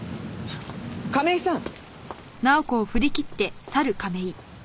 亀井さん！